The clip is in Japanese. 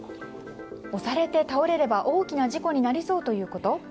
押されて倒れれば大きな事故になりそうということ？